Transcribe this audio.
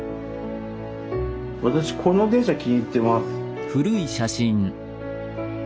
私この電車気に入ってます。